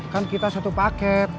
kan kita satu paket